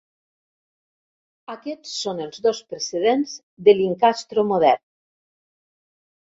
Aquests són els dos precedents de l'incastro modern.